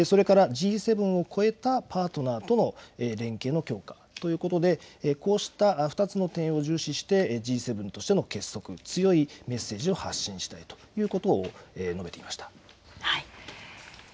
それからＧ７を超えたパートナーとの連携の強化ということでこうした２つの点を重視してＧ７としての結束、強いメッセージを発信したいということを述べていました。